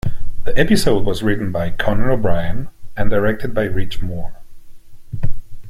The episode was written by Conan O'Brien and directed by Rich Moore.